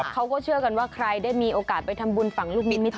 เขาก็เชื่อกันว่าใครได้มีโอกาสไปทำบุญฝั่งลูกมิตร